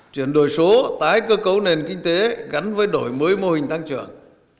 chuyển đổi số tái cơ cấu nền kinh tế gắn với đổi mới mô hình tăng trưởng